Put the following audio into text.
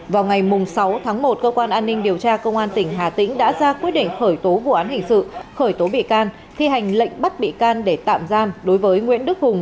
vào ngày sáu tháng một cơ quan an ninh điều tra công an tỉnh hà tĩnh đã ra quyết định khởi tố vụ án hình sự khởi tố bị can thi hành lệnh bắt bị can để tạm giam đối với nguyễn đức hùng